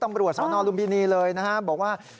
ตำรวจทรอนอลุงบิณีเลยนะ